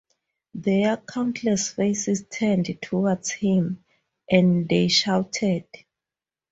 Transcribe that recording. Their countless faces turned towards him, and they shouted.